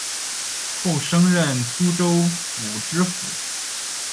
后升任苏州府知府